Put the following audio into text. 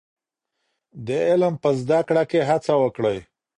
د علم په زده کړه کي هڅه وکړئ.